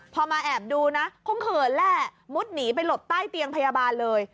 พอมาแอบดูนะคงเขินแหละมุดหนีไปหลบใต้เตียงพยาบาลเลย